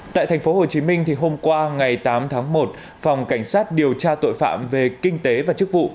tại tp hcm hôm qua ngày tám tháng một phòng cảnh sát điều tra tội phạm về kinh tế và chức vụ